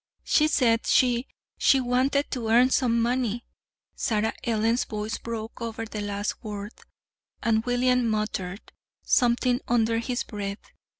She said she she wanted to earn some money." Sarah Ellen's voice broke over the last word, and William muttered something under his breath.